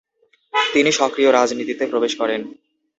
তিনি সক্রিয় রাজনীতিতে প্রবেশ করেন।